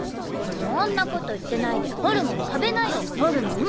そんなこと言ってないでホルモン食べなよホルモン。